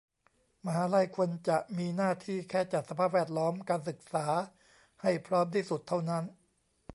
มหาลัยควรจะมีหน้าที่แค่จัดสภาพแวดล้อมการศึกษาให้พร้อมที่สุดเท่านั้น